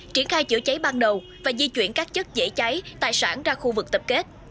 triển khai chữa cháy ban đầu và di chuyển các chất dễ cháy tài sản ra khu vực tập kết